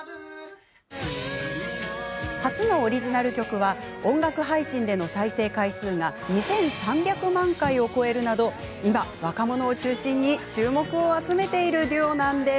初のオリジナル曲は音楽配信での再生回数が２３００万回を超えるなど今、若者を中心に注目を集めているデュオなんです。